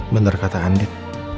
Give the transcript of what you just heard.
benar kata andin